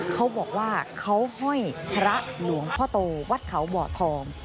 เขาบอกว่าเขาห้อยพระหลวงพ่อโตวัดเขาบ่อทอง